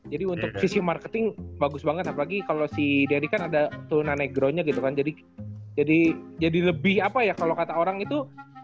jadi untuk sisi marketing bagus banget apalagi kalo si derick kan ada turunanegro nya gitu kan jadi lebih apa ya kalo kata orang itu